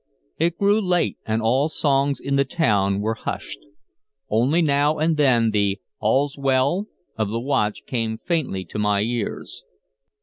It grew late, and all sounds in the town were hushed; only now and then the "All's well!" of the watch came faintly to my ears.